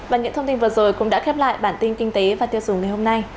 và những thông tin vừa rồi cũng đã khép lại bản tin kinh tế và tiêu dùng ngày hôm nay